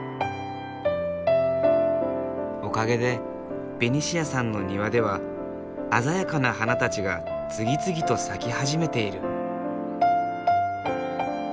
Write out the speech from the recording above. おかげでベニシアさんの庭では鮮やかな花たちが次々と咲き始めている。